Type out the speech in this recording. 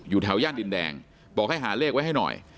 แถวย่านดินแดงบอกให้หาเลขไว้ให้หน่อย